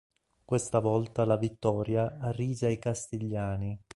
Questa volta la vittoria arrise ai castigliani.